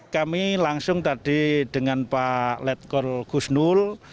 kami langsung tadi dengan pak letkol kusnul